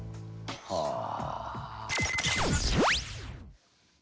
はあ。